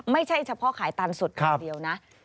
ไม่ใช่เฉพาะขายตานสดอย่างเดียวนะ